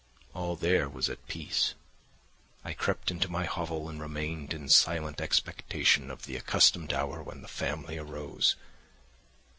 All there was at peace. I crept into my hovel and remained in silent expectation of the accustomed hour when the family arose.